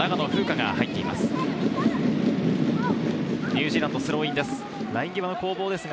ニュージーランドのスローインです。